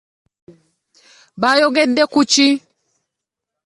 Baayogedde ku ki?